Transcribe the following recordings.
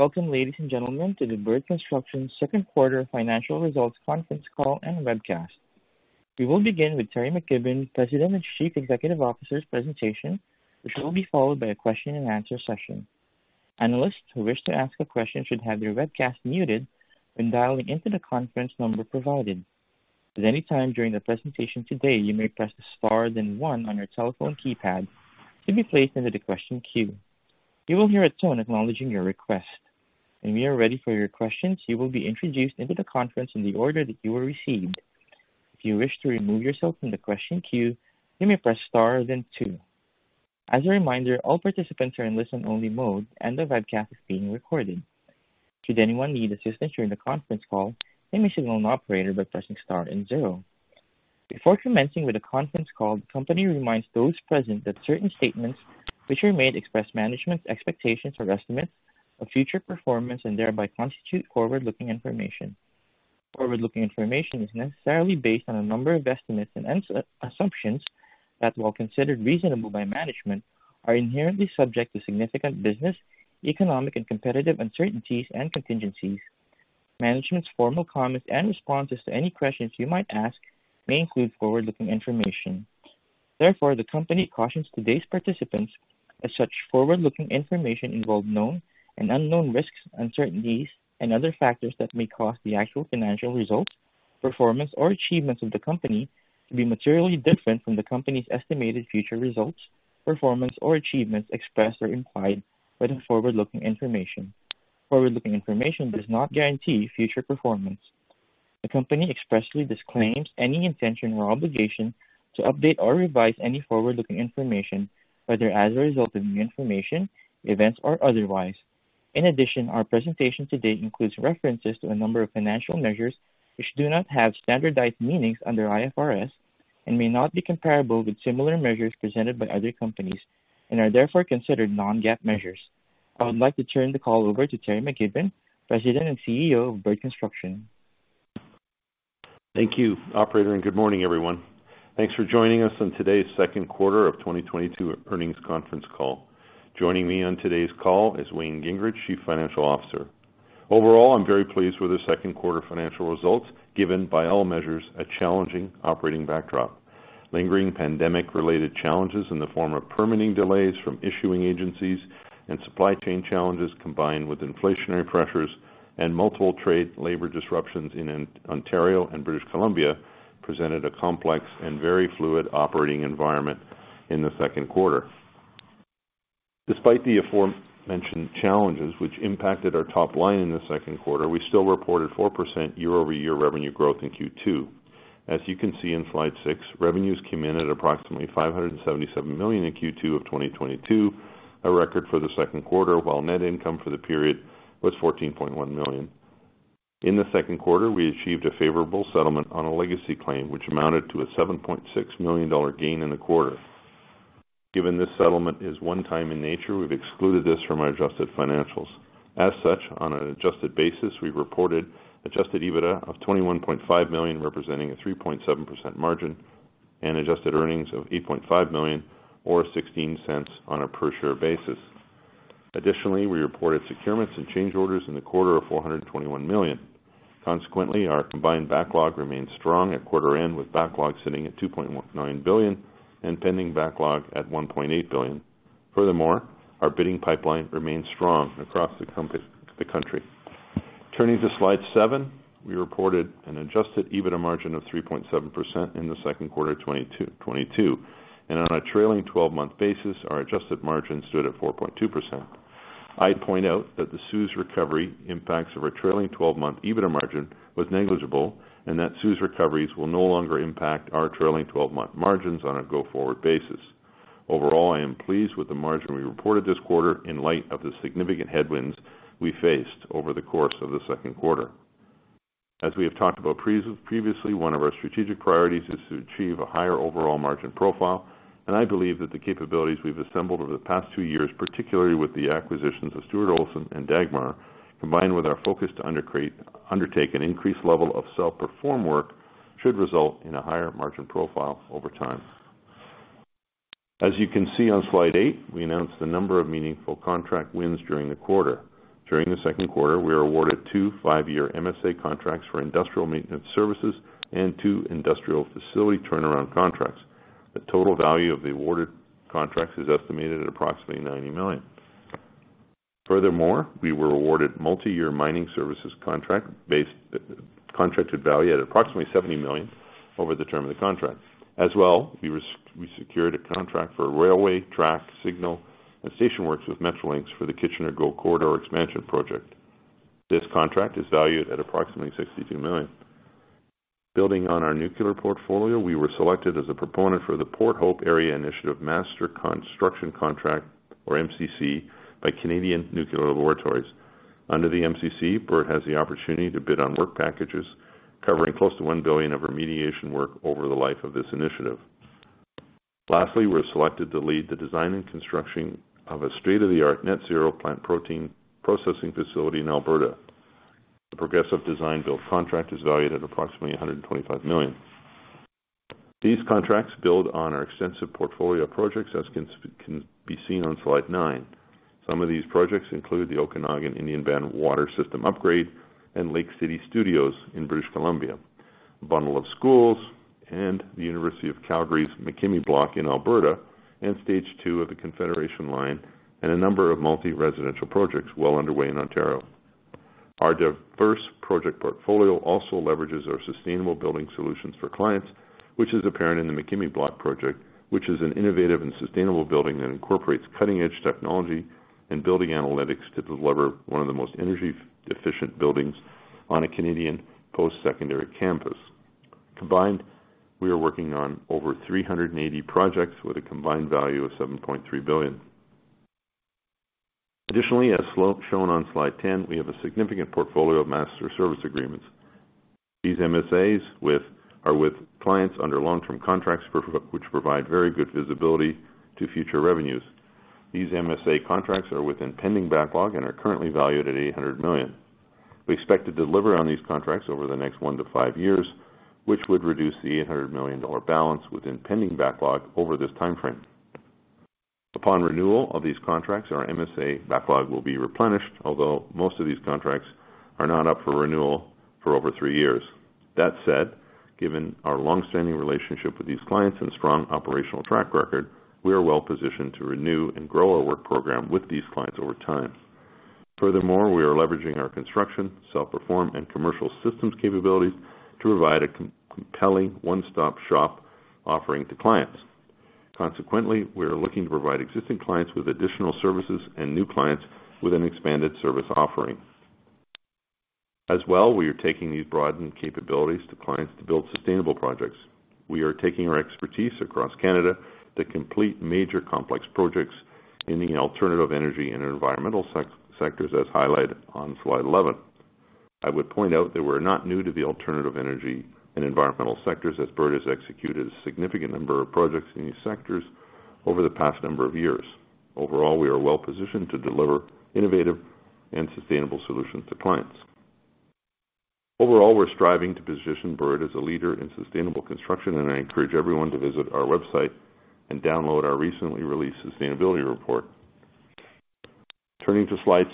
Welcome, ladies and gentlemen, to the Bird Construction Second Quarter financial results conference call and webcast. We will begin with Teri McKibbon, President and Chief Executive Officer's presentation, which will be followed by a question and answer session. Analysts who wish to ask a question should have their webcast muted when dialing into the conference number provided. At any time during the presentation today, you may press star then one on your telephone keypad to be placed into the question queue. You will hear a tone acknowledging your request. When we are ready for your questions, you will be introduced into the conference in the order that you were received. If you wish to remove yourself from the question queue, you may press star then two. As a reminder, all participants are in listen-only mode and the webcast is being recorded. Should anyone need assistance during the conference call, they may signal an operator by pressing star and zero. Before commencing with the conference call, the company reminds those present that certain statements which are made express management's expectations or estimates of future performance and thereby constitute forward-looking information. Forward-looking information is necessarily based on a number of estimates and assumptions that, while considered reasonable by management, are inherently subject to significant business, economic, and competitive uncertainties and contingencies. Management's formal comments and responses to any questions you might ask may include forward-looking information. Therefore, the company cautions today's participants as such forward-looking information involve known and unknown risks, uncertainties and other factors that may cause the actual financial results, performance, or achievements of the company to be materially different from the company's estimated future results, performance or achievements expressed or implied by the forward-looking information. Forward-looking information does not guarantee future performance. The company expressly disclaims any intention or obligation to update or revise any forward-looking information, whether as a result of new information, events or otherwise. In addition, our presentation to date includes references to a number of financial measures which do not have standardized meanings under IFRS and may not be comparable with similar measures presented by other companies and are therefore considered non-GAAP measures. I would like to turn the call over to Teri McKibbon, President and CEO of Bird Construction. Thank you, operator, and good morning, everyone. Thanks for joining us on today's second quarter of 2022 earnings conference call. Joining me on today's call is Wayne Gingrich, Chief Financial Officer. Overall, I'm very pleased with the second quarter financial results given, by all measures, a challenging operating backdrop. Lingering pandemic-related challenges in the form of permitting delays from issuing agencies and supply chain challenges, combined with inflationary pressures and multiple trade labor disruptions in Ontario and British Columbia, presented a complex and very fluid operating environment in the second quarter. Despite the aforementioned challenges which impacted our top line in the second quarter, we still reported 4% year-over-year revenue growth in Q2. As you can see in slide 6, revenues came in at approximately 577 million in Q2 of 2022, a record for the second quarter, while net income for the period was 14.1 million. In the second quarter, we achieved a favorable settlement on a legacy claim which amounted to a 7.6 million dollar gain in the quarter. Given this settlement is one time in nature, we've excluded this from our adjusted financials. As such, on an adjusted basis, we reported Adjusted EBITDA of 21.5 million, representing a 3.7% margin and Adjusted earnings of 8.5 million or 0.16 on a per share basis. Additionally, we reported securements and change orders in the quarter of 421 million. Consequently, our combined backlog remains strong at quarter end, with backlog sitting at 2.9 billion and pending backlog at 1.8 billion. Furthermore, our bidding pipeline remains strong across the country. Turning to slide seven. We reported an Adjusted EBITDA margin of 3.7% in the second quarter of 2022, and on a trailing 12-month basis, our Adjusted margin stood at 4.2%. I'd point out that the CEWS recovery impacts of our trailing 12-month EBITDA margin was negligible and that CEWS recoveries will no longer impact our trailing 12-month margins on a go-forward basis. Overall, I am pleased with the margin we reported this quarter in light of the significant headwinds we faced over the course of the second quarter. As we have talked about previously, one of our strategic priorities is to achieve a higher overall margin profile, and I believe that the capabilities we've assembled over the past two years, particularly with the acquisitions of Stuart Olson and Dagmar Construction, combined with our focus to undertake an increased level of self-perform work, should result in a higher margin profile over time. As you can see on slide eight, we announced a number of meaningful contract wins during the quarter. During the second quarter, we were awarded two 5-year MSA contracts for industrial maintenance services and two industrial facility turnaround contracts. The total value of the awarded contracts is estimated at approximately 90 million. Furthermore, we were awarded multi-year mining services contract based, contracted value at approximately 70 million over the term of the contract. As well, we secured a contract for railway track signal and station works with Metrolinx for the Kitchener GO Corridor Expansion project. This contract is valued at approximately 62 million. Building on our Nuclear Portfolio, we were selected as a proponent for the Port Hope Area Initiative Master Construction Contract, or MCC, by Canadian Nuclear Laboratories. Under the MCC, Bird has the opportunity to bid on work packages covering close to 1 billion of remediation work over the life of this initiative. Lastly, we're selected to lead the design and construction of a state-of-the-art net-zero plant protein processing facility in Alberta. The progressive design-build contract is valued at approximately 125 million. These contracts build on our extensive portfolio of projects, as can be seen on slide nine. Some of these projects include the Okanagan Indian Band Water System Upgrade and Lake City Studios in British Columbia, a bundle of schools and the University of Calgary's MacKimmie Block in Alberta, and stage two of the Confederation Line and a number of multi-residential projects well underway in Ontario. Our diverse project portfolio also leverages our sustainable building solutions for clients, which is apparent in the MacKimmie Block project, which is an innovative and sustainable building that incorporates cutting-edge technology and building analytics to deliver one of the most energy efficient buildings on a Canadian post-secondary campus. Combined, we are working on over 380 projects with a combined value of 7.3 billion. Additionally, as shown on slide 10, we have a significant portfolio of master service agreements. These MSAs are with clients under long-term contracts which provide very good visibility to future revenues. These MSA contracts are within pending backlog and are currently valued at 800 million. We expect to deliver on these contracts over the next 1 year-5 years, which would reduce the 800 million dollar balance within pending backlog over this timeframe. Upon renewal of these contracts, our MSA backlog will be replenished, although most of these contracts are not up for renewal for over 3 years. That said, given our long-standing relationship with these clients and strong operational track record, we are well positioned to renew and grow our work program with these clients over time. Furthermore, we are leveraging our construction, self-perform and commercial systems capabilities to provide a compelling one-stop shop offering to clients. Consequently, we are looking to provide existing clients with additional services and new clients with an expanded service offering. As well, we are taking these broadened capabilities to clients to build sustainable projects. We are taking our expertise across Canada to complete major complex projects in the alternative energy and environmental sectors, as highlighted on slide 11. I would point out that we're not new to the alternative energy and environmental sectors, as Bird has executed a significant number of projects in these sectors over the past number of years. Overall, we are well-positioned to deliver innovative and sustainable solutions to clients. Overall, we're striving to position Bird as a leader in sustainable construction, and I encourage everyone to visit our website and download our recently released sustainability report. Turning to slides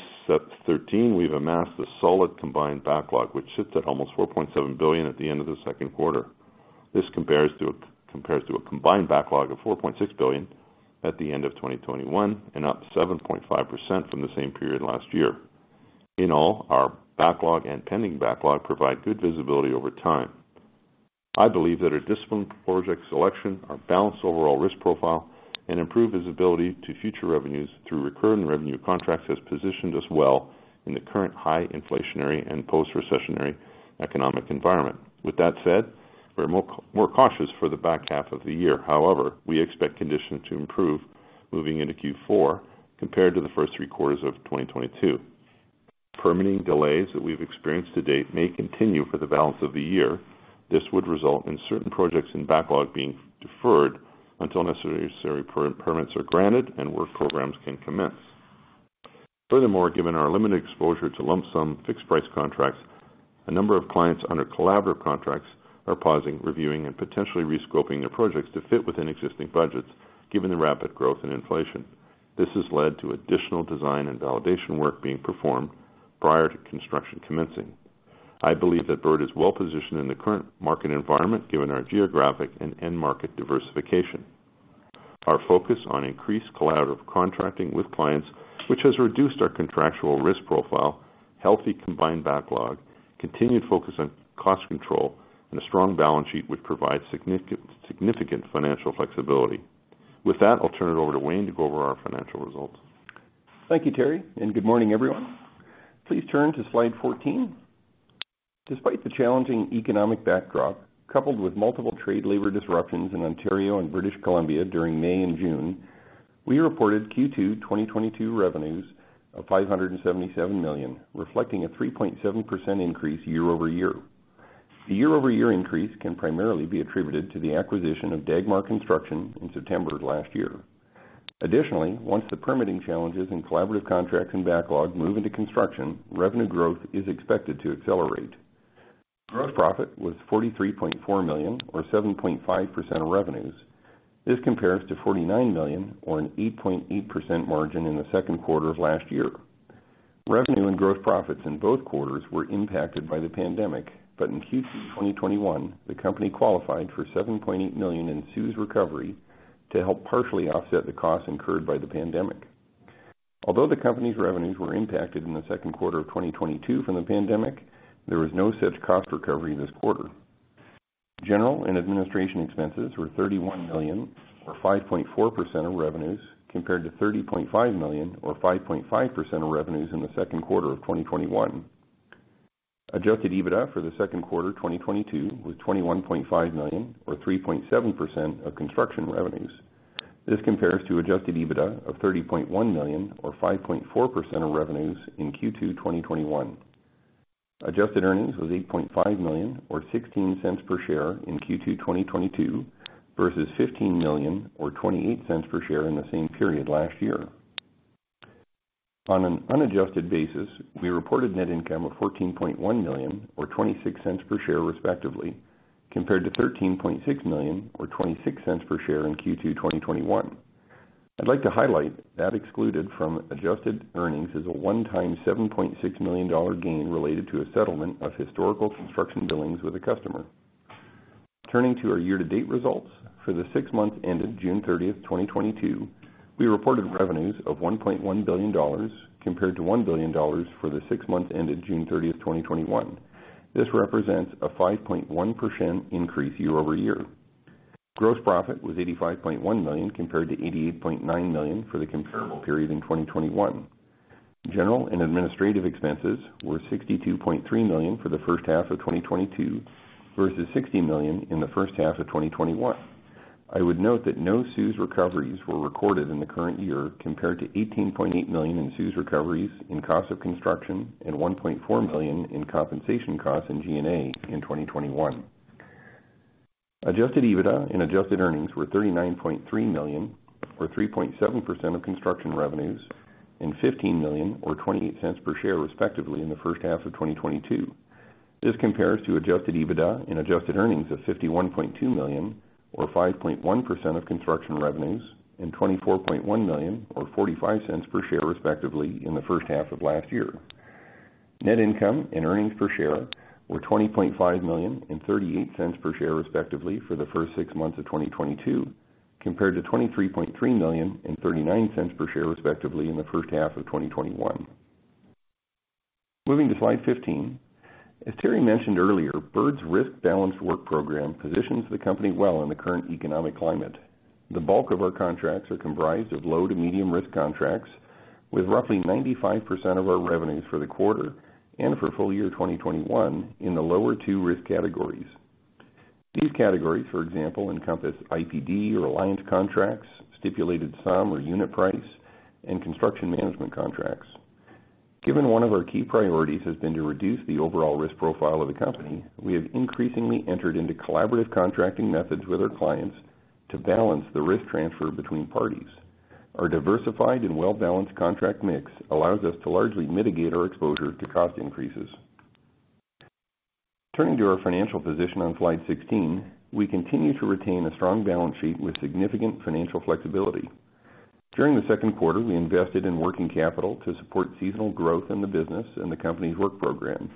13, we've amassed a solid combined backlog, which sits at almost 4.7 billion at the end of the second quarter. This compares to a combined backlog of 4.6 billion at the end of 2021 and up 7.5% from the same period last year. In all, our backlog and pending backlog provide good visibility over time. I believe that our disciplined project selection, our balanced overall risk profile, and improved visibility to future revenues through recurring revenue contracts has positioned us well in the current high inflationary and post-recessionary economic environment. With that said, we're more cautious for the back half of the year. However, we expect conditions to improve moving into Q4 compared to the first three quarters of 2022. Permitting delays that we've experienced to date may continue for the balance of the year. This would result in certain projects in backlog being deferred until necessary permits are granted and work programs can commence. Furthermore, given our limited exposure to lump sum fixed price contracts, a number of clients under collaborative contracts are pausing, reviewing, and potentially re-scoping their projects to fit within existing budgets given the rapid growth in inflation. This has led to additional design and validation work being performed prior to construction commencing. I believe that Bird is well positioned in the current market environment given our geographic and end market diversification. Our focus on increased collaborative contracting with clients, which has reduced our contractual risk profile, healthy combined backlog, continued focus on cost control and a strong balance sheet which provides significant financial flexibility. With that, I'll turn it over to Wayne to go over our financial results. Thank you, Teri, and good morning, everyone. Please turn to slide 14. Despite the challenging economic backdrop, coupled with multiple trade labor disruptions in Ontario and British Columbia during May and June, we reported Q2 2022 revenues of 577 million, reflecting a 3.7% increase year-over-year. The year-over-year increase can primarily be attributed to the acquisition of Dagmar Construction in September of last year. Additionally, once the permitting challenges in collaborative contracts and backlog move into construction, revenue growth is expected to accelerate. Gross profit was 43.4 million or 7.5% of revenues. This compares to 49 million or an 8.8% margin in the second quarter of last year. Revenue and gross profits in both quarters were impacted by the pandemic, but in Q2 2021, the company qualified for 7.8 million in CEWS recovery to help partially offset the costs incurred by the pandemic. Although the company's revenues were impacted in the second quarter of 2022 from the pandemic, there was no such cost recovery this quarter. General and administrative expenses were 31 million or 5.4% of revenues, compared to 30.5 million or 5.5% of revenues in the second quarter of 2021. Adjusted EBITDA for the second quarter 2022 was 21.5 million or 3.7% of construction revenues. This compares to adjusted EBITDA of 30.1 million or 5.4% of revenues in Q2 2021. Adjusted earnings was 8.5 million or 0.16 per share in Q2 2022 versus 15 million or 0.28 per share in the same period last year. On an unadjusted basis, we reported net income of 14.1 million or 0.26 per share, respectively, compared to 13.6 million or 0.26 per share in Q2 2021. I'd like to highlight that excluded from Adjusted earnings is a one-time 7.6 million-dollar gain related to a settlement of historical construction billings with a customer. Turning to our year-to-date results. For the six months ended June 30, 2022, we reported revenues of 1.1 billion dollars compared to 1 billion dollars for the six months ended June 30, 2021. This represents a 5.1% increase year-over-year. Gross profit was 85.1 million compared to 88.9 million for the comparable period in 2021. General and administrative expenses were 62.3 million for the first half of 2022 versus 60 million in the first half of 2021. I would note that no CEWS recoveries were recorded in the current year compared to 18.8 million in CEWS recoveries in cost of construction and 1.4 million in compensation costs in G&A in 2021. Adjusted EBITDA and Adjusted earnings were 39.3 million or 3.7% of construction revenues and 15 million or 0.28 per share, respectively, in the first half of 2022. This compares to Adjusted EBITDA and Adjusted earnings of 51.2 million or 5.1% of construction revenues and 24.1 million or 0.45 per share, respectively, in the first half of last year. Net income and earnings per share were 20.5 million and 0.38 per share, respectively, for the first six months of 2022, compared to 23.3 million and 0.39 per share, respectively, in the first half of 2021. Moving to slide 15. As Teri mentioned earlier, Bird's risk balanced work program positions the company well in the current economic climate. The bulk of our contracts are comprised of low to medium risk contracts with roughly 95% of our revenues for the quarter and for full year 2021 in the lower two risk categories. These categories, for example, encompass IPD and Alliance contracts, stipulated sum or unit price, and construction management contracts. Given one of our key priorities has been to reduce the overall risk profile of the company, we have increasingly entered into collaborative contracting methods with our clients to balance the risk transfer between parties. Our diversified and well-balanced contract mix allows us to largely mitigate our exposure to cost increases. Turning to our financial position on slide 16. We continue to retain a strong balance sheet with significant financial flexibility. During the second quarter, we invested in working capital to support seasonal growth in the business and the company's work program.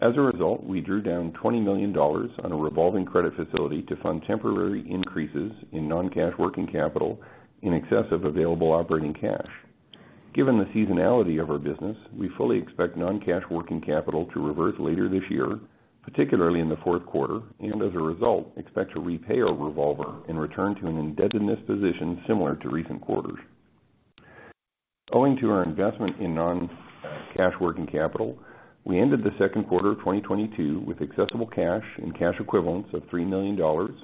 As a result, we drew down 20 million dollars on a revolving credit facility to fund temporary increases in non-cash working capital in excess of available operating cash. Given the seasonality of our business, we fully expect non-cash working capital to reverse later this year, particularly in the fourth quarter, and as a result, expect to repay our revolver and return to an indebtedness position similar to recent quarters. Owing to our investment in non-cash working capital, we ended the second quarter of 2022 with accessible cash and cash equivalents of 3 million dollars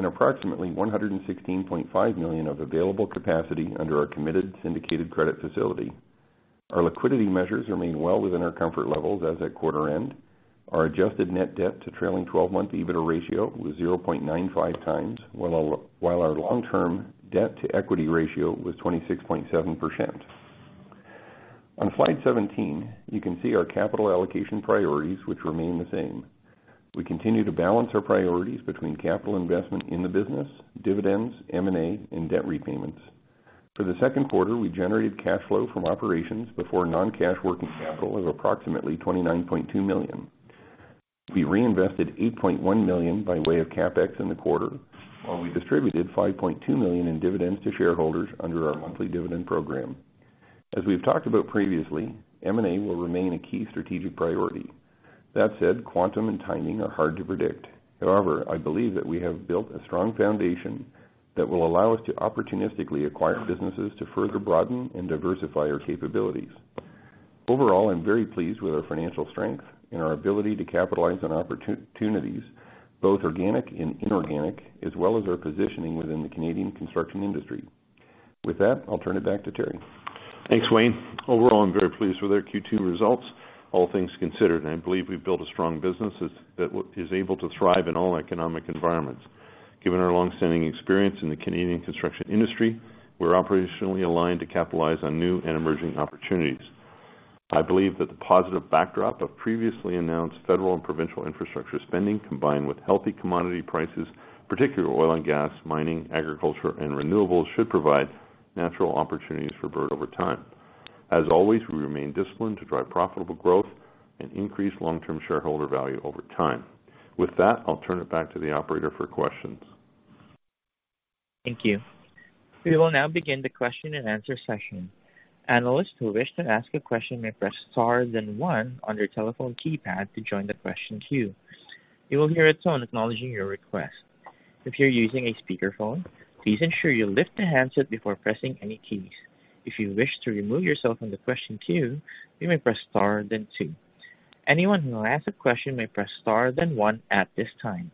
and approximately 116.5 million of available capacity under our committed syndicated credit facility. Our liquidity measures remain well within our comfort levels as at quarter end. Our Adjusted net debt to trailing 12-month EBITDA ratio was 0.95x, while our long-term debt to equity ratio was 26.7%. On slide 17, you can see our capital allocation priorities, which remain the same. We continue to balance our priorities between capital investment in the business, dividends, M&A, and debt repayments. For the second quarter, we generated cash flow from operations before non-cash working capital of approximately 29.2 million. We reinvested 8.1 million by way of CapEx in the quarter, while we distributed 5.2 million in dividends to shareholders under our monthly dividend program. As we've talked about previously, M&A will remain a key strategic priority. That said, quantum and timing are hard to predict. However, I believe that we have built a strong foundation that will allow us to opportunistically acquire businesses to further broaden and diversify our capabilities. Overall, I'm very pleased with our financial strength and our ability to capitalize on opportunities, both organic and inorganic, as well as our positioning within the Canadian construction industry. With that, I'll turn it back to Teri. Thanks, Wayne. Overall, I'm very pleased with our Q2 results. All things considered, I believe we've built a strong business that is able to thrive in all economic environments. Given our long-standing experience in the Canadian construction industry, we're operationally aligned to capitalize on new and emerging opportunities. I believe that the positive backdrop of previously announced federal and provincial infrastructure spending, combined with healthy commodity prices, particularly oil and gas, mining, agriculture, and renewables, should provide natural opportunities for Bird over time. As always, we remain disciplined to drive profitable growth and increase long-term shareholder value over time. With that, I'll turn it back to the operator for questions. Thank you. We will now begin the question and answer session. Analysts who wish to ask a question may press star then one on their telephone keypad to join the question queue. You will hear a tone acknowledging your request. If you're using a speakerphone, please ensure you lift the handset before pressing any keys. If you wish to remove yourself from the question queue, you may press star then two. Anyone who will ask a question may press star then one at this time.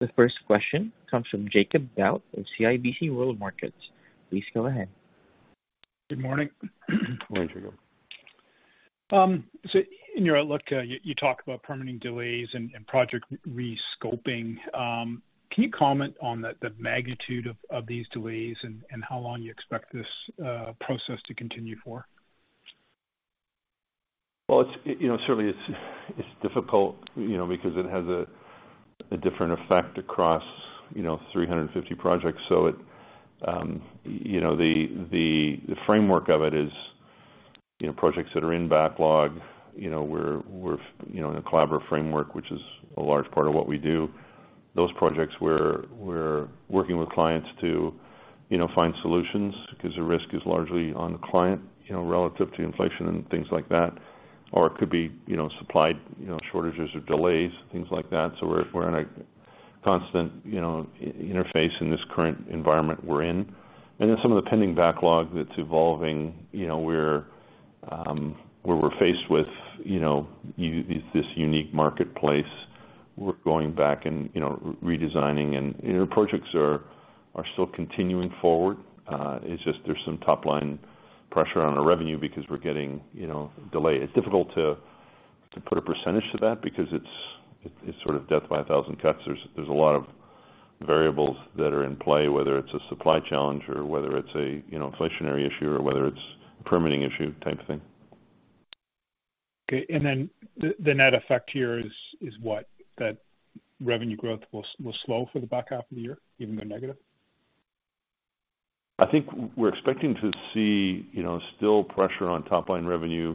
The first question comes from Jacob Bout of CIBC World Markets. Please go ahead. Good morning. Morning, Jacob. In your outlook, you talk about permitting delays and project re-scoping. Can you comment on the magnitude of these delays and how long you expect this process to continue for? Well, it's you know, certainly it's difficult, you know, because it has a different effect across, you know, 350 projects. It you know, the framework of it is, you know, projects that are in backlog, you know, we're you know, in a collaborative framework, which is a large part of what we do. Those projects we're working with clients to, you know, find solutions because the risk is largely on the client, you know, relative to inflation and things like that. Or it could be, you know, supply, you know, shortages or delays, things like that. So we're in a constant, you know, interface in this current environment we're in. Then some of the pending backlog that's evolving, you know, we're where we're faced with, you know, this unique marketplace. We're going back and, you know, redesigning and, you know, projects are still continuing forward. It's just there's some top line pressure on our revenue because we're getting, you know, delayed. It's difficult to put a percentage to that because it's it's sort of death by a thousand cuts. There's a lot of variables that are in play, whether it's a supply challenge or whether it's a, you know, inflationary issue or whether it's permitting issue type thing. Okay. The net effect here is what? That revenue growth will slow for the back half of the year, even go negative? I think we're expecting to see, you know, still pressure on top line revenue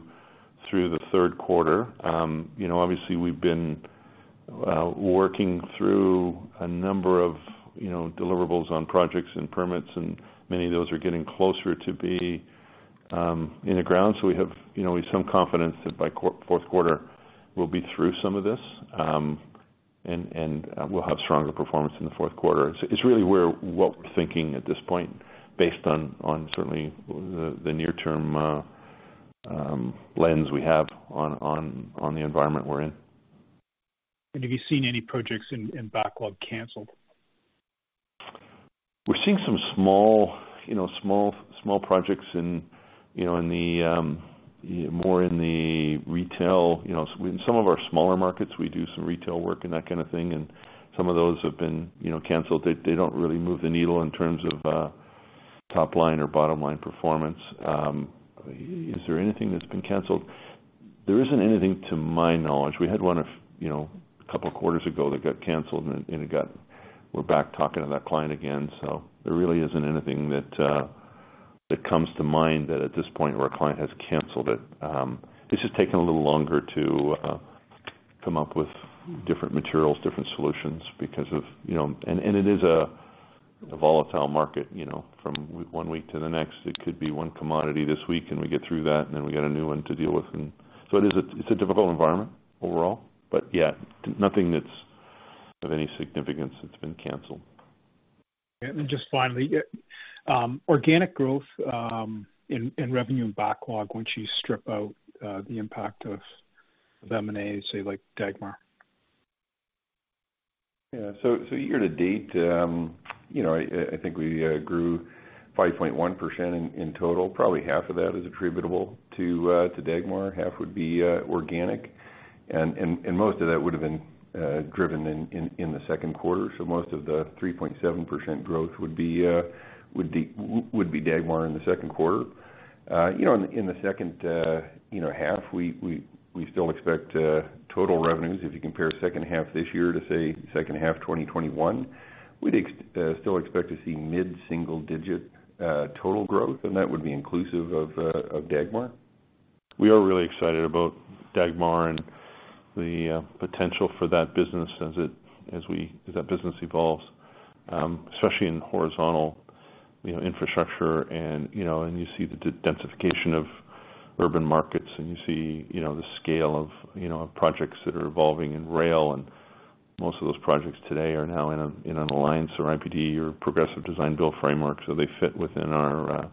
through the third quarter. You know, obviously we've been working through a number of, you know, deliverables on projects and permits, and many of those are getting closer to be in the ground. We have, you know, we have some confidence that by fourth quarter we'll be through some of this, and we'll have stronger performance in the fourth quarter. It's really where what we're thinking at this point based on certainly the near term lens we have on the environment we're in. Have you seen any projects in backlog canceled? We're seeing some small, you know, projects in, you know, more in the retail, you know, in some of our smaller markets. We do some retail work and that kind of thing, and some of those have been, you know, canceled. They don't really move the needle in terms of top line or bottom line performance. Is there anything that's been canceled? There isn't anything to my knowledge. We had one, you know, a couple of quarters ago that got canceled, and we're back talking to that client again. There really isn't anything that comes to mind that at this point where a client has canceled it. It's just taking a little longer to come up with different materials, different solutions because of, you know. It is a volatile market, you know. From one week to the next, it could be one commodity this week, and we get through that, and then we got a new one to deal with. It is a difficult environment overall, but yeah, nothing that's of any significance that's been canceled. Then just finally, organic growth in revenue and backlog once you strip out the impact of M&A, say like Dagmar? Yeah. Year-to-date, you know, I think we grew 5.1% in total. Probably half of that is attributable to Dagmar, half would be organic. Most of that would have been driven in the second quarter. Most of the 3.7% growth would be Dagmar in the second quarter. You know, in the second half, we still expect total revenues. If you compare second half this year to, say, second half 2021, we'd still expect to see mid-single digit total growth, and that would be inclusive of Dagmar. We are really excited about Dagmar and the potential for that business as that business evolves, especially in horizontal, you know, infrastructure and, you know, and you see the de-densification of urban markets and you see, you know, the scale of, you know, projects that are evolving in rail. Most of those projects today are now in an alliance or IPD or Progressive Design-Build framework. They fit within our,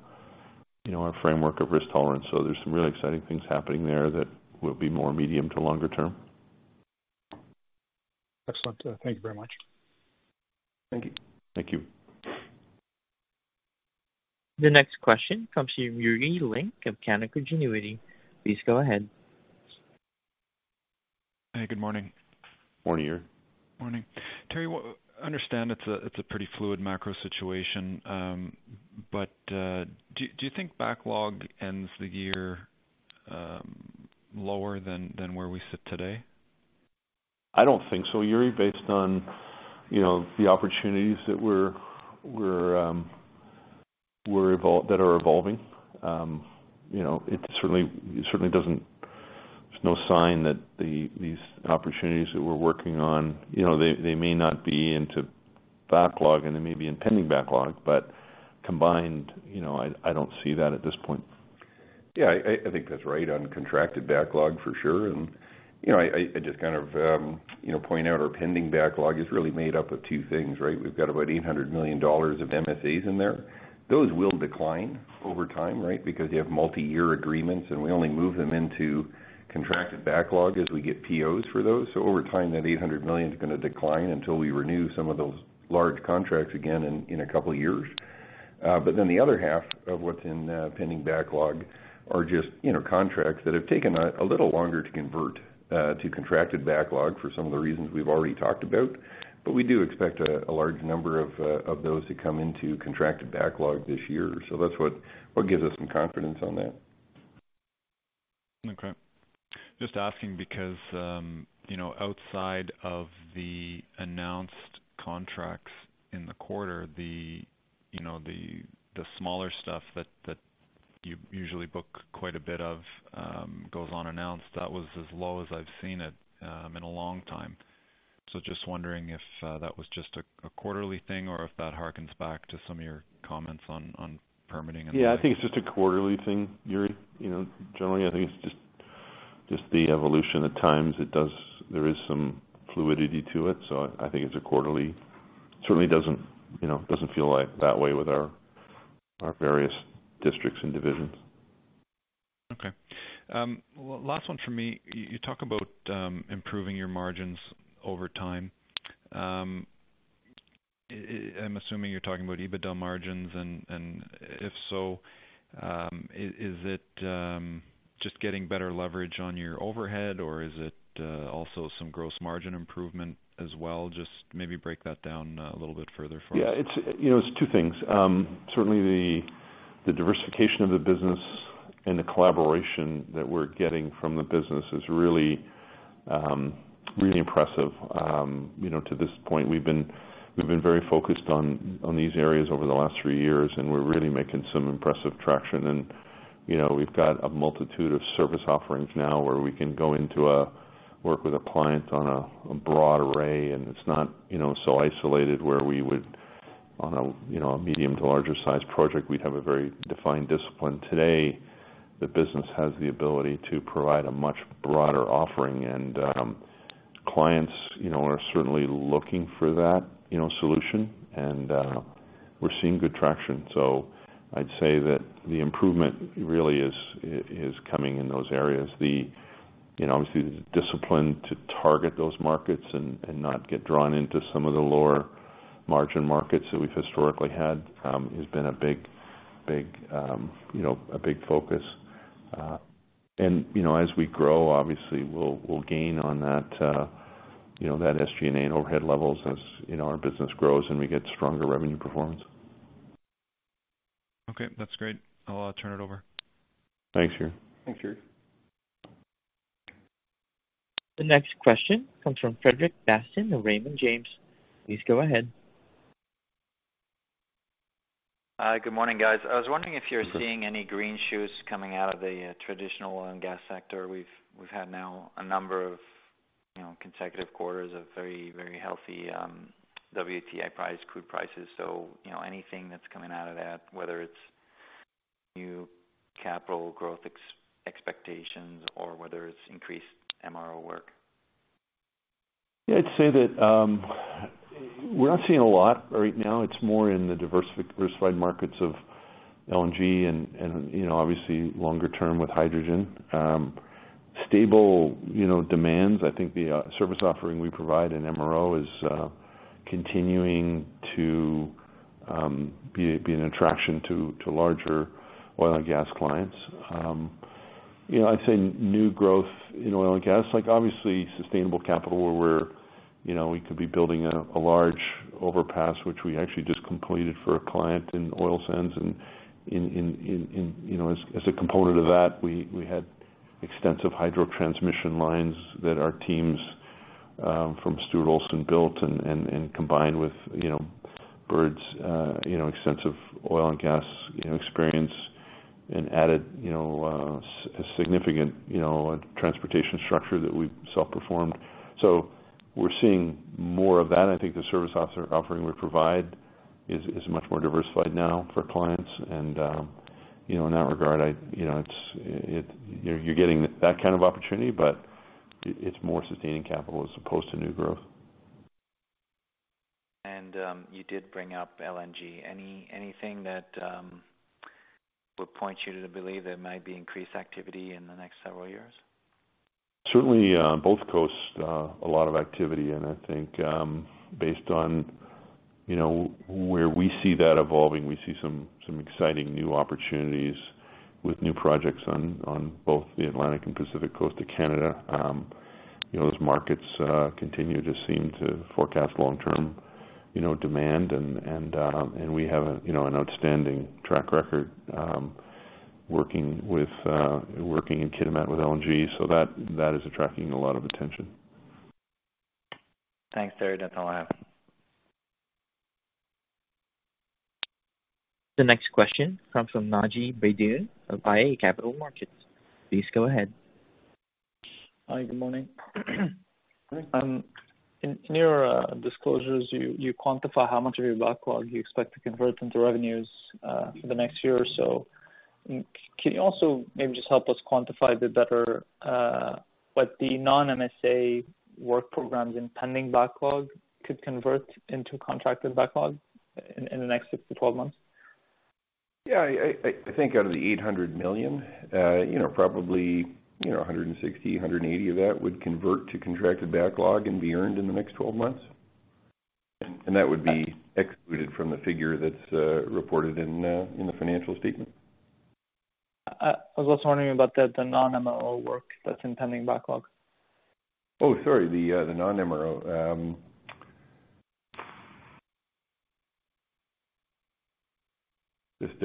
you know, our framework of risk tolerance. There's some really exciting things happening there that will be more medium to longer term. Excellent. Thank you very much. Thank you. Thank you. The next question comes from Yuri Lynk of Canaccord Genuity. Please go ahead. Hey, good morning. Morning, Yuri. Morning. Teri, understand it's a pretty fluid macro situation, but do you think backlog ends the year lower than where we sit today? I don't think so, Yuri, based on, you know, the opportunities that are evolving. You know, it certainly doesn't. There's no sign that these opportunities that we're working on, you know, they may not be into backlog and they may be in pending backlog, but combined, you know, I don't see that at this point. Yeah, I think that's right on contracted backlog for sure. You know, I just kind of, you know, point out our pending backlog is really made up of two things, right? We've got about 800 million dollars of MSAs in there. Those will decline over time, right? Because you have multi-year agreements, and we only move them into contracted backlog as we get POs for those. Over time, that 800 million is gonna decline until we renew some of those large contracts again in a couple of years. The other half of what's in pending backlog are just, you know, contracts that have taken a little longer to convert to contracted backlog for some of the reasons we've already talked about. We do expect a large number of those to come into contracted backlog this year. That's what gives us some confidence on that. Okay. Just asking because, you know, outside of the announced contracts in the quarter, the smaller stuff that you usually book quite a bit of, goes unannounced, that was as low as I've seen it, in a long time. Just wondering if that was just a quarterly thing or if that harkens back to some of your comments on permitting? Yeah, I think it's just a quarterly thing, Yuri. You know, generally, I think it's just the evolution. At times it does. There is some fluidity to it, so I think it's a quarterly. Certainly doesn't, you know, feel like that way with our various districts and divisions. Okay. Well, last one for me. You talk about improving your margins over time. I'm assuming you're talking about EBITDA margins. If so, is it just getting better leverage on your overhead or is it also some gross margin improvement as well? Just maybe break that down a little bit further for me. Yeah, it's, you know, it's two things. Certainly the diversification of the business and the collaboration that we're getting from the business is really, really impressive. You know, to this point, we've been very focused on these areas over the last three years, and we're really making some impressive traction. You know, we've got a multitude of service offerings now where we can go into work with a client on a broad array, and it's not, you know, so isolated where we would on a, you know, a medium to larger size project, we'd have a very defined discipline. Today, the business has the ability to provide a much broader offering. Clients, you know, are certainly looking for that, you know, solution. We're seeing good traction. I'd say that the improvement really is coming in those areas. You know, obviously the discipline to target those markets and not get drawn into some of the lower margin markets that we've historically had has been a big focus. You know, as we grow, obviously we'll gain on that, you know, that SG&A and overhead levels as you know, our business grows and we get stronger revenue performance. Okay, that's great. I'll turn it over. Thanks, Yuri. The next question comes from Frederic Bastien of Raymond James. Please go ahead. Hi. Good morning, guys. I was wondering if you're seeing any green shoots coming out of the traditional oil and gas sector. We've had now a number of, you know, consecutive quarters of very healthy WTI price, crude prices. You know, anything that's coming out of that, whether it's new capital growth expectations or whether it's increased MRO work? Yeah, I'd say that we're not seeing a lot right now. It's more in the diversified markets of LNG and, you know, obviously longer term with hydrogen. Stable, you know, demands. I think the service offering we provide in MRO is continuing to be an attraction to larger oil and gas clients. You know, I'd say new growth in oil and gas, like obviously sustainable capital where we're, you know, we could be building a large overpass which we actually just completed for a client in oil sands and, you know, as a component of that, we had extensive hydro transmission lines that our teams from Stuart Olson built and combined with, you know, Bird's, you know, extensive oil and gas, you know, experience and added, you know, significant, you know, transportation structure that we self-performed. We're seeing more of that. I think the service offering we provide is much more diversified now for clients. You know, in that regard, I, you know, it's, you're getting that kind of opportunity, but it's more sustaining capital as opposed to new growth. You did bring up LNG. Anything that would point you to believe there might be increased activity in the next several years? Certainly, on both coasts, a lot of activity. I think, based on, you know, where we see that evolving, we see some exciting new opportunities with new projects on both the Atlantic and Pacific coast of Canada. You know, those markets continue to seem to forecast long-term, you know, demand. We have, you know, an outstanding track record working in Kitimat with LNG. That is attracting a lot of attention. Thanks, Teri. That's all I have. The next question comes from Naji Baydoun of iA Capital Markets. Please go ahead. Hi, good morning. Hi. In your disclosures, you quantify how much of your backlog you expect to convert into revenues for the next year or so. Can you also maybe just help us quantify what the non-MSA work programs in pending backlog could convert into contracted backlog in the next 6 months-12 months? Yeah, I think out of the 800 million, you know, probably, you know, 160 million, 180 million of that would convert to contracted backlog and be earned in the next 12 months. That would be excluded from the figure that's reported in the financial statement. I was also wondering about the non-MRO work that's in pending backlog? Oh, sorry, the non-MRO. Just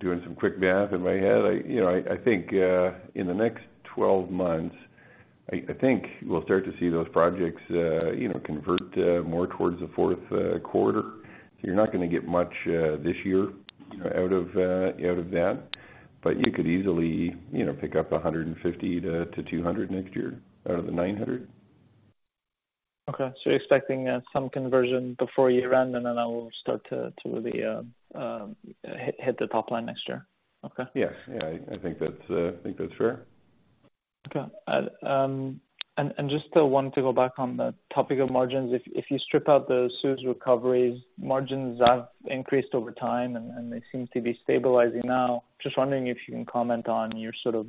doing some quick math in my head. I, you know, think in the next 12 months we'll start to see those projects, you know, convert more towards the fourth quarter. You're not gonna get much this year out of that, but you could easily, you know, pick up 150-200 next year out of the 900. Okay. You're expecting some conversion before year-end, and then that will start to really hit the top line next year? Okay. Yes. Yeah. I think that's fair. Okay. Just wanted to go back on the topic of margins. If you strip out those CEWS recoveries, margins have increased over time, and they seem to be stabilizing now. Just wondering if you can comment on your sort of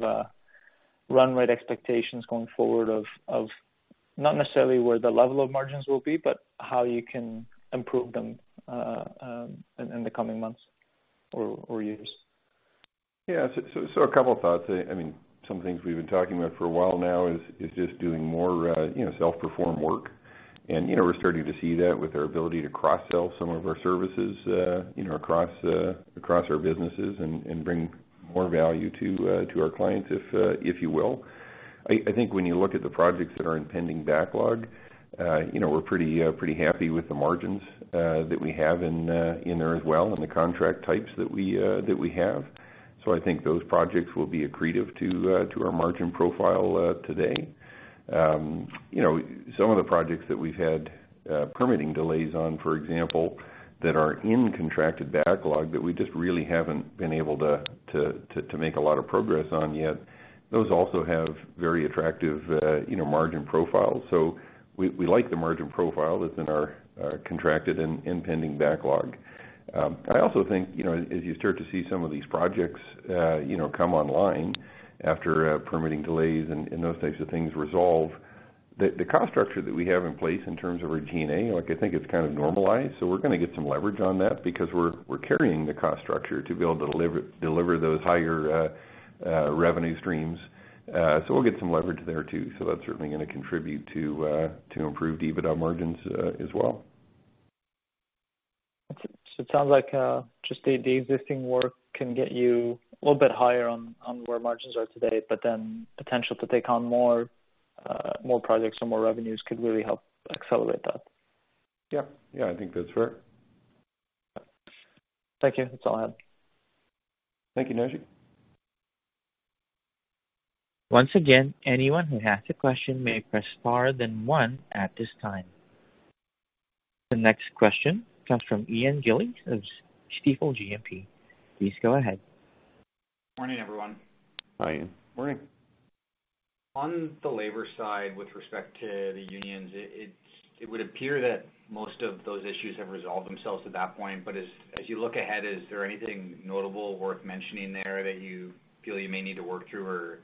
run rate expectations going forward of not necessarily where the level of margins will be, but how you can improve them in the coming months or years. A couple thoughts. I mean, some things we've been talking about for a while now is just doing more, you know, self-performed work. You know, we're starting to see that with our ability to cross-sell some of our services, you know, across our businesses and bring more value to our clients, if you will. I think when you look at the projects that are in pending backlog, you know, we're pretty happy with the margins that we have in there as well, and the contract types that we have. I think those projects will be accretive to our margin profile today. You know, some of the projects that we've had permitting delays on, for example, that are in contracted backlog that we just really haven't been able to to make a lot of progress on yet, those also have very attractive you know margin profiles. We like the margin profile that's in our contracted and pending backlog. I also think you know as you start to see some of these projects you know come online after permitting delays and those types of things resolve, the cost structure that we have in place in terms of our G&A, like, I think it's kind of normalized. We're gonna get some leverage on that because we're carrying the cost structure to be able to deliver those higher revenue streams. We'll get some leverage there too. That's certainly gonna contribute to improved EBITDA margins, as well. It sounds like, just the existing work can get you a little bit higher on where margins are today, but then potential to take on more projects or more revenues could really help accelerate that. Yeah. Yeah. I think that's fair. Thank you. That's all I have. Thank you, Naji Baydoun. Once again, anyone who has a question may press star then one at this time. The next question comes from Ian Gillies of Stifel Canada. Please go ahead. Morning, everyone. Hi, Ian. Morning. On the labor side, with respect to the unions, it would appear that most of those issues have resolved themselves at that point. As you look ahead, is there anything notable worth mentioning there that you feel you may need to work through, or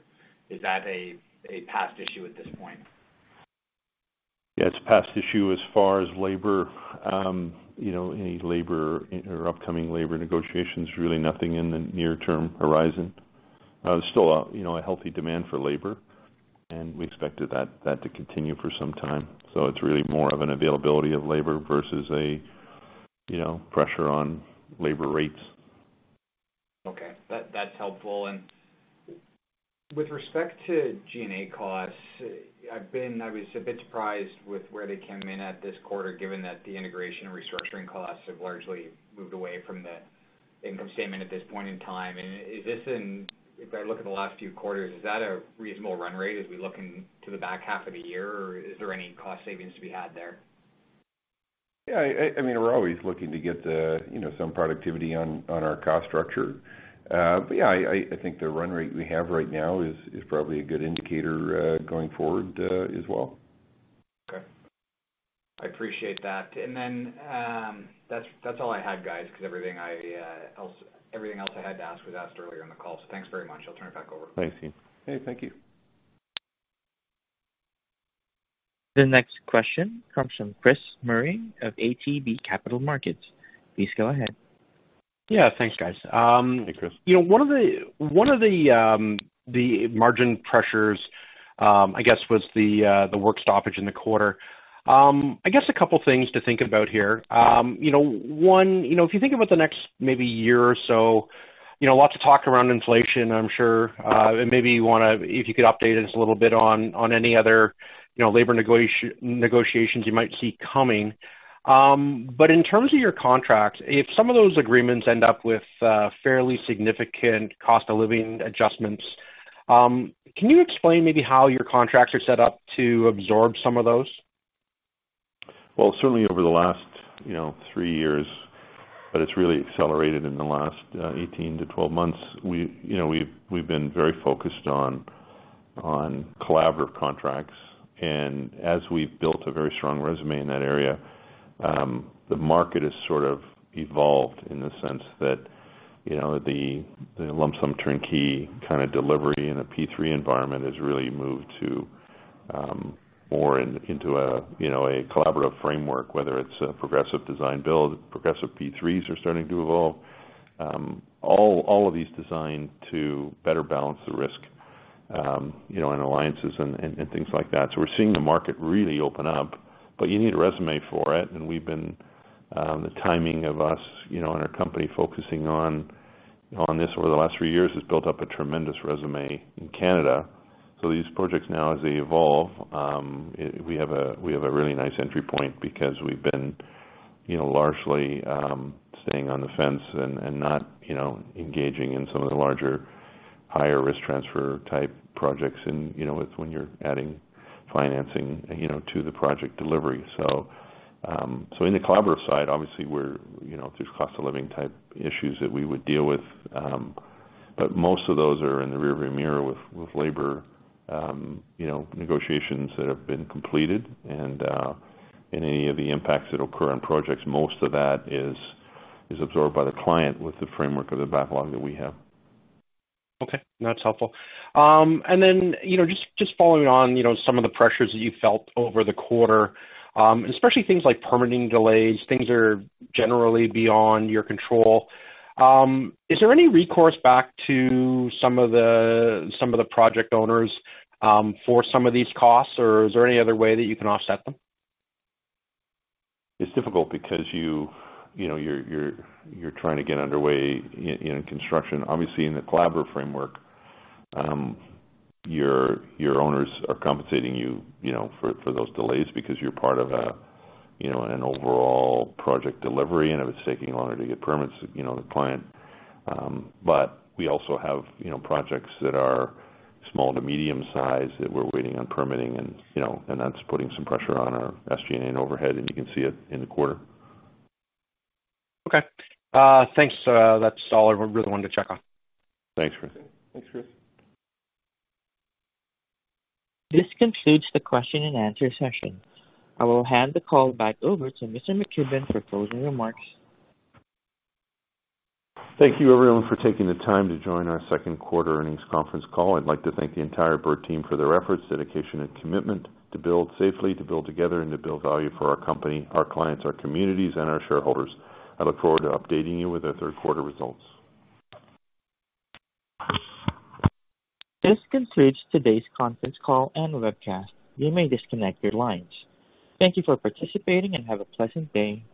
is that a past issue at this point? Yeah, it's a past issue as far as labor. You know, any labor or upcoming labor negotiations, really nothing in the near-term horizon. There's still, you know, a healthy demand for labor, and we expected that to continue for some time. It's really more of an availability of labor versus a, you know, pressure on labor rates. Okay. That's helpful. With respect to G&A costs, I was a bit surprised with where they came in at this quarter, given that the integration and restructuring costs have largely moved away from the income statement at this point in time. If I look at the last few quarters, is that a reasonable run rate as we look into the back half of the year, or is there any cost savings to be had there? Yeah, I mean, we're always looking to get the, you know, some productivity on our cost structure. Yeah, I think the run rate we have right now is probably a good indicator, going forward, as well. Okay. I appreciate that. That's all I had, guys, 'cause everything else I had to ask was asked earlier in the call. Thanks very much. I'll turn it back over. Thanks, Ian. Okay. Thank you. The next question comes from Chris Murray of ATB Capital Markets. Please go ahead. Yeah. Thanks, guys. Hey, Chris. You know, one of the margin pressures, I guess, was the work stoppage in the quarter. I guess a couple things to think about here. You know, one, you know, if you think about the next maybe year or so, you know, lots of talk around inflation, I'm sure. Maybe you wanna. If you could update us a little bit on any other, you know, labor negotiations you might see coming. In terms of your contracts, if some of those agreements end up with fairly significant cost of living adjustments, can you explain maybe how your contracts are set up to absorb some of those? Well, certainly over the last, you know, three years, but it's really accelerated in the last 18 months-12 months, you know, we've been very focused on collaborative contracts. As we've built a very strong resume in that area, the market has sort of evolved in the sense that, you know, the lump sum turnkey kind of delivery in a P3 environment has really moved to more into a, you know, a collaborative framework, whether it's a progressive design-build, progressive P3s are starting to evolve. All of these designed to better balance the risk, you know, and alliances and things like that. We're seeing the market really open up, but you need a resume for it, and we've been the timing of us, you know, and our company focusing on this over the last three years has built up a tremendous resume in Canada. These projects now as they evolve, we have a really nice entry point because we've been, you know, largely staying on the fence and not, you know, engaging in some of the larger, higher risk transfer type projects and, you know, it's when you're adding financing, you know, to the project delivery. In the collaborative side, obviously we're, you know, there's cost of living type issues that we would deal with, but most of those are in the rear view mirror with labor, you know, negotiations that have been completed. Any of the impacts that occur on projects, most of that is absorbed by the client with the framework of the backlog that we have. Okay. No, that's helpful. And then, you know, just following on, you know, some of the pressures that you felt over the quarter, especially things like permitting delays, things are generally beyond your control. Is there any recourse back to some of the project owners, for some of these costs? Or is there any other way that you can offset them? It's difficult because you know you're trying to get underway in construction. Obviously in the collaborative framework, your owners are compensating you know, for those delays because you're part of an overall project delivery, and if it's taking longer to get permits, you know, the client. We also have, you know, projects that are small to medium-sized that we're waiting on permitting and that's putting some pressure on our SG&A overhead, and you can see it in the quarter. Okay. Thanks. That's all I really wanted to check on. Thanks, Chris. Okay. Thanks, Chris. This concludes the question and answer session. I will hand the call back over to Mr. McKibbon for closing remarks. Thank you everyone for taking the time to join our second quarter earnings conference call. I'd like to thank the entire Bird team for their efforts, dedication, and commitment to build safely, to build together, and to build value for our company, our clients, our communities, and our shareholders. I look forward to updating you with our third quarter results. This concludes today's conference call and webcast. You may disconnect your lines. Thank you for participating, and have a pleasant day.